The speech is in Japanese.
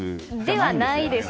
ではないです。